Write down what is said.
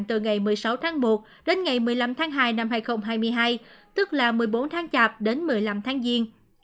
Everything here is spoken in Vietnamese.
từ ngày một mươi sáu tháng một đến ngày một mươi năm tháng hai năm hai nghìn hai mươi hai tức là một mươi bốn tháng chạp đến một mươi năm tháng giêng